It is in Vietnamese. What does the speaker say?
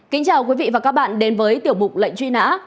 kính chào quý vị và các bạn đến với tiểu mục lệnh truy nã